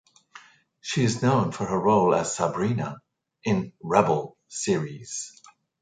She is known for her role as Sabrina in “Rebel” series.